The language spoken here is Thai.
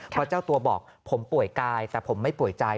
เพราะเจ้าตัวบอกผมป่วยกายแต่ผมไม่ป่วยใจ